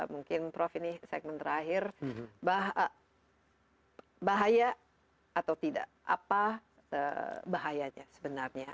mungkin prof ini segmen terakhir bahaya atau tidak apa bahayanya sebenarnya